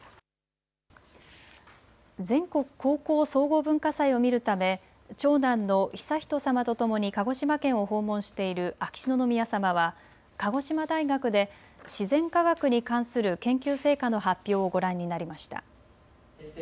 全国高校総合文化祭を見るため長男の悠仁さまとともに鹿児島県を訪問している秋篠宮さまは鹿児島大学で自然科学に関する研究成果の発表をご覧になりました。